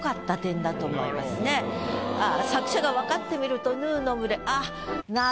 作者が分かってみると「ヌーの群」あっ。